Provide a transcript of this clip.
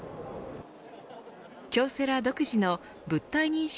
京セラ独自の物体認識